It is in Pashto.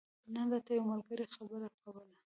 نن راته يو ملګري خبره کوله